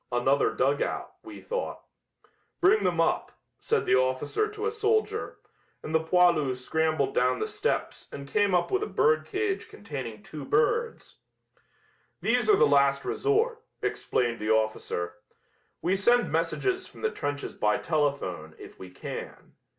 "Another dugout" we thought. "Bring them up!" said the officer to a soldier, and the poilu scrambled down the steps and came up with a bird cage containing two birds. "These are the last resort," explained the officer. "We send messages from the trenches by telephone, if we can.